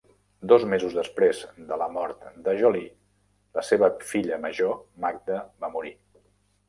Dos mesos després de la mort de Jolie, la seva filla major, Magda, va morir.